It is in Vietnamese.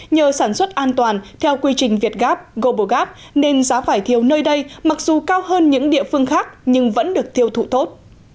nhờ sản xuất an toàn theo quy trình việt gap global gap nên giá vải thiều nơi đây mặc dù cao hơn những địa phương khác nhưng vẫn được tiêu thụ tốt